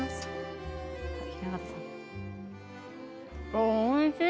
あっおいしい。